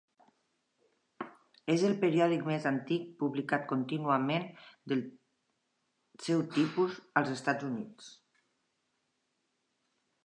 És el periòdic més antic publicat contínuament del seu tipus als Estats Units.